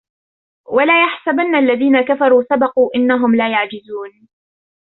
ولا يحسبن الذين كفروا سبقوا إنهم لا يعجزون